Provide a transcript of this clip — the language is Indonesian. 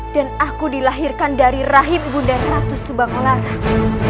dan aku dilahirkan dari rahim ibu nda ratu subang larang